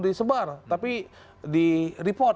disebar tapi direport